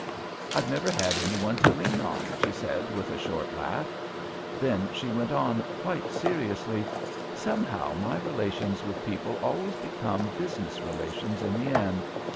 "I've never had any one to lean on," she said with a short laugh. Then she went on, quite seriously: "Somehow, my relations with people always become business relations in the end.